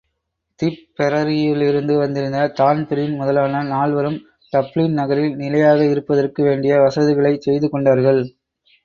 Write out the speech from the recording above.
திப்பெரரியிலிருந்து வந்திருந்த தான்பிரீன் முதலான நால்வரும் டப்ளின் நகரில் நிலையாக இருப்பதற்கு வேண்டிய வசதிகளைச் செய்து கொண்டார்கள்.